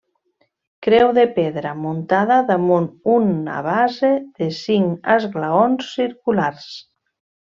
Creu de pedra muntada damunt una base de cinc esglaons circulars.